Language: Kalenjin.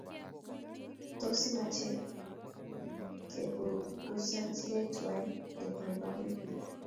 tos imache kepenpikeunze tuay let Nepo wikit